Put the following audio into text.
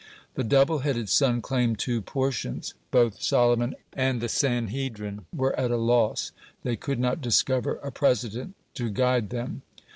The double headed son claimed two portions. Both Solomon and the Sanhedrin were at a loss; they could not discover a precedent to guide them.